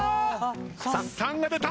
３が出た！